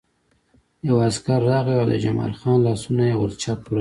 یو عسکر راغی او د جمال خان لاسونه یې ولچک کړل